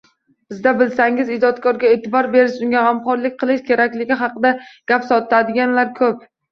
Bizda, bilsangiz, ijodkorga eʼtibor berish, unga gʻamxoʻrlik qilish kerakligi haqida gap sotadiganlar koʻp.